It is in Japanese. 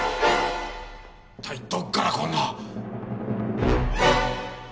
一体どこからこんな。